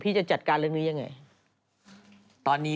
พี่จะจัดการเรื่องนี้อย่างไร